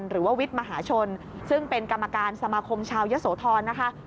หรือว่าวิทย์มหาชนซึ่งเป็นกรรมการสมาคมชาวยะโสธรนะคะ